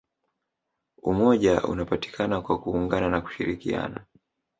umoja unapatikana kwa kuungana na kushirikiana